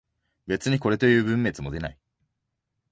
別にこれという分別も出ない